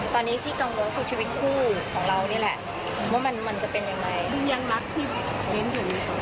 ตอนนี้ที่กังวลคือชีวิตคู่ของเรานี่แหละว่ามันจะเป็นยังไง